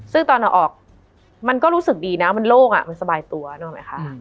ซึ่งตอนเอาออกมันก็รู้สึกดีนะมันโล่งมันสบายตัวนึกออกไหมคะ